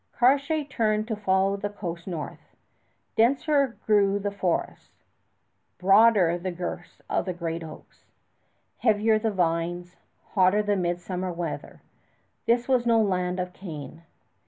Cartier turned to follow the coast north. Denser grew the forests, broader the girths of the great oaks, heavier the vines, hotter the midsummer weather. This was no land of Cain.